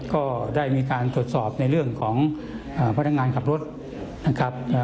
ก็ได้มีการตรวจสอบในเรื่องของพนักงานขับรถนะครับ